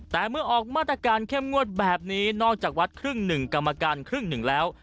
แต่เมื่อออกมาตรการเข้มงวดแบบนี้นอกจากวัดครึ่งหนึ่งกรรมการครึ่งหนึ่งแล้ว